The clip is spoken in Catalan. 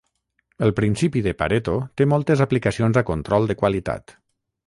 El principi de Pareto té moltes aplicacions a control de qualitat.